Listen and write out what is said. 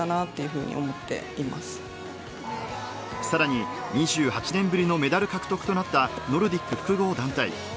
さらに２８年ぶりのメダル獲得となったノルディック複合団体。